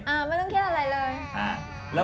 อ่าไม่ต้องคิดอะไรเลย